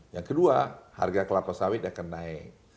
yang kedua harga kelapa sawit akan naik